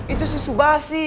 itu susu basi